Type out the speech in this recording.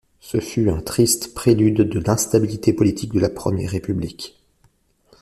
Ce fut un triste prélude de l'instabilité politique de la Première République.